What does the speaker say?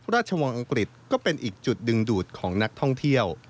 ราชวงศ์อังกฤษก็เป็นอีกจุดดึงดูดของนักท่องเที่ยว